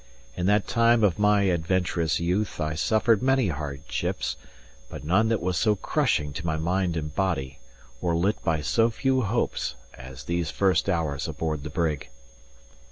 In that time of my adventurous youth, I suffered many hardships; but none that was so crushing to my mind and body, or lit by so few hopes, as these first hours aboard the brig.